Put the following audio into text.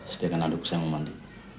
sediakan aduk saya mau mandi